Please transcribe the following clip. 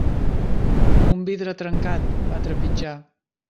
Un vidre trencat, va trepitjar.